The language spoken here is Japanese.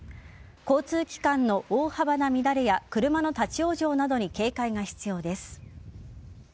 交通機関の大幅な乱れや車の立ち往生などに警戒が必要です。